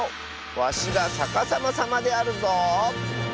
わしがさかさまさまであるぞ。